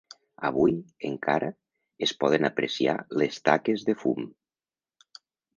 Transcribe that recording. Avui, encara, es poden apreciar les taques de fum.